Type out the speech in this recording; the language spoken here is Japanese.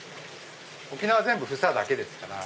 沖縄は全部房だけですから。